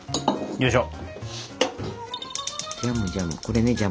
よいしょ。